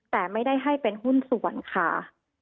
แต่ไม่ได้ให้เป็นหุ้นส่วนค่ะ